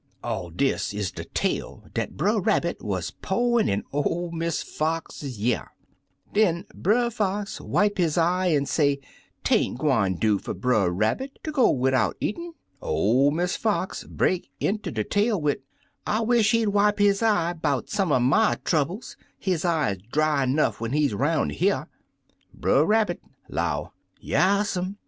(All dis is de tale dat Brer Rabbit wuz po'in' in ol' Miss Fox' y'ear.) Den Brer Fox wipe his eye an' say 'tain't gwine do fer Brer Rabbit ter go widout eatin'. 01' Miss Fox break inter de 95 Uncle Remus Returns tale wid, *I wish he*d wipe his eye 'bout some er my troubles; his eye is dry 'nough when he's *roun* here/ "Brer Rabbit *low, 'Yassum!'